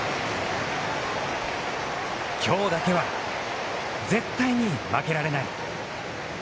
きょうだけは絶対に負けられない。